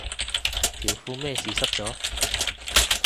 條褲咩事濕咗